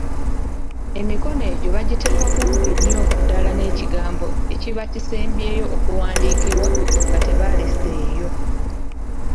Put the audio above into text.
Emikono egyo bagiteeka kumpi nnyo ddala n’ekigambo ekiba kisembyeyo okuwandiikibwa nga tebalesseeyo.